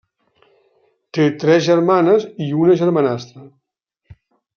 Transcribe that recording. Té tres germanes i una germanastra.